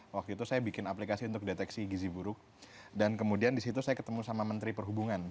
waktu itu saya bikin aplikasi untuk deteksi gizi buruk dan kemudian disitu saya ketemu sama menteri perhubungan